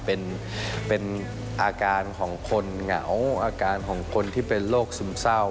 เป็นอาการของคนเหงาอาการของคนที่เป็นโรคซึมเศร้า